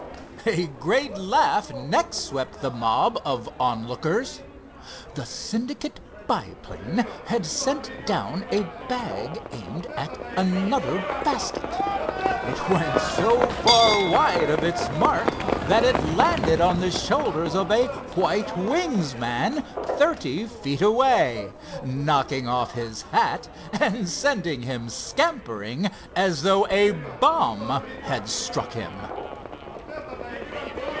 A great laugh next swept the mob of onlookers. The Syndicate biplane had sent down a bag aimed at another basket. It went so far wide of its mark that it landed on the shoulders of a "White Wings" man thirty feet away, knocking off his hat and sending him scampering as though a bomb had struck him.